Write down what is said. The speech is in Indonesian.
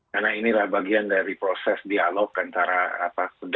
karena inilah bagian dari proses dialog antara apa kegagalannya